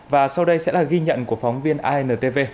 và sau đây sẽ là ghi nhận của phóng viên intv